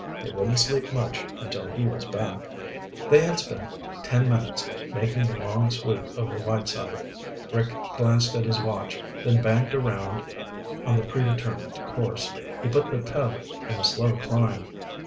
They wouldn't sleep much until he was back. They had spent ten minutes making the long sweep over Whiteside. Rick glanced at his watch, then banked around on the predetermined course. He put the Cub in a slow climb.